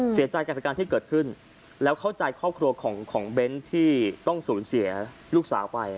เสียใจกับเหตุการณ์ที่เกิดขึ้นแล้วเข้าใจครอบครัวของเบ้นที่ต้องสูญเสียลูกสาวไป